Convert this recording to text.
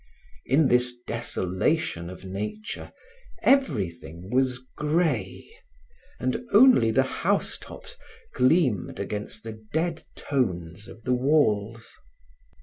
In this desolation of nature, everything was gray, and only the housetops gleamed against the dead tones of the walls.